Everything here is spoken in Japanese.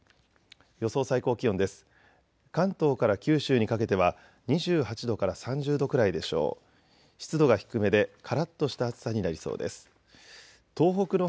予想最高気温です。